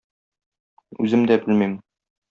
Үзем дә белмим.